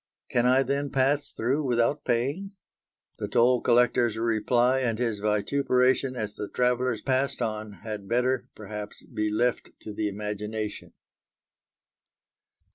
"Can I then pass through without paying?" The toll collector's reply and his vituperation as the travellers passed on had better, perhaps, be left to the imagination.